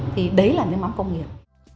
thì đấy là nước mắm công nghiệp